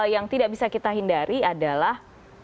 yang tidak bisa kita hindari adalah